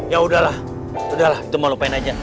yaudah lah udah lah itu mau lupain aja